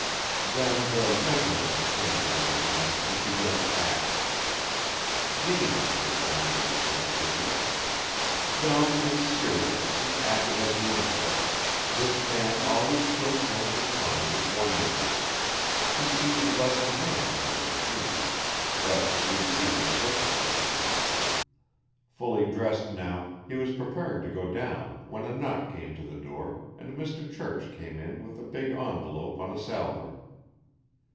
Then the Mechanism came into the room and began to act. James was the name of this individual. Dumb and serious and active as an insect, this man always filled Jones' mind with wonderment; he seemed less a man than a machine. But at least he was a perfect machine. Fully dressed now, he was preparing to go down when a knock came to the door and Mr. Church came in with a big envelope on a salver.